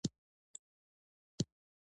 د غوټیو خولګۍ وازه په خندا شوه.